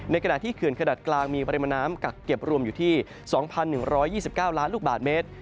ขณะที่เขื่อนขนาดกลางมีปริมาณน้ำกักเก็บรวมอยู่ที่๒๑๒๙ล้านลูกบาทเมตร